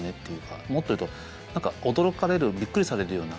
もっと言うと何か驚かれるびっくりされるような。